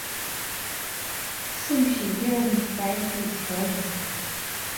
圣皮耶尔莱比特里。